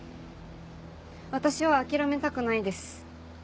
私は諦めたくないです。